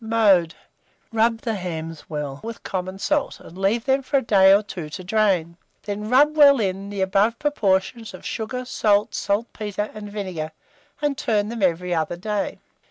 Mode. Rub the hams well with common salt, and leave them for a day or two to drain; then rub well in, the above proportion of sugar, salt, saltpetre, and vinegar, and turn them every other day.